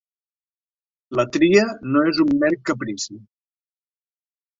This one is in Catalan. La tria no és un mer caprici.